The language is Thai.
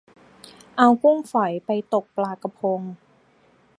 เอากุ้งฝอยไปตกปลากะพง